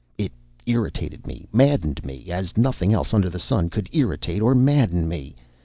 It irritated me, maddened me, as nothing else under the sun could irritate or madden me.